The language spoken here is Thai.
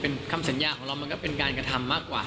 เป็นคำสัญญาของเรามันก็เป็นการกระทำมากกว่า